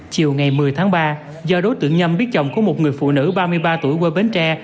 chiều ngày một mươi tháng ba do đối tượng nhâm biết chồng của một người phụ nữ ba mươi ba tuổi quê bến tre